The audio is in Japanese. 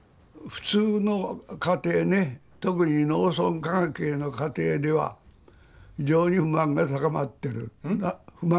普通の家庭ね特に農村関係の家庭では非常に不満が高まってる。